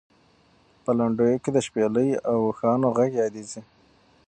په لنډیو کې د شپېلۍ او اوښانو غږ یادېږي.